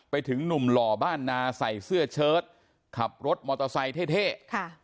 ไปถึงหนุ่มหล่อบ้านนาใส่เสื้อเชิดขับรถมอเตอร์ไซค์เท่เท่ค่ะ